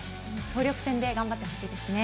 総力戦で頑張ってほしいですね。